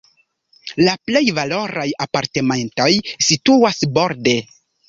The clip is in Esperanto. La plej valoraj apartamentoj situas borde.